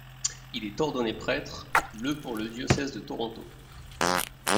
Il est ordonné prêtre le pour le diocèse de Toronto.